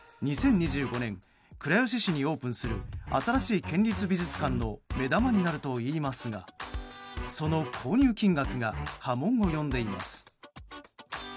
２０２５年倉吉市にオープンする新しい県立美術館の目玉になるといいますがその購入金額が波紋を呼んでいます。